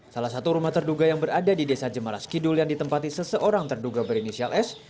salah satu rumah terduga yang berada di desa jemaras kidul yang ditempati seseorang terduga berinisial s